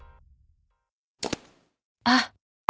あっ！